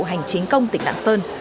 hành chính công tỉnh đảng sơn